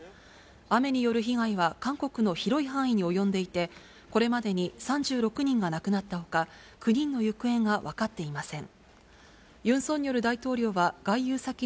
雨による被害は韓国の広い範囲に及んでいて、これまでに３６人が亡くなったほか、９人の行方が分かっていません。